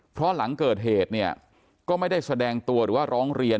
เพราะหลังเกิดเหตุเนี่ยก็ไม่ได้แสดงตัวหรือว่าร้องเรียน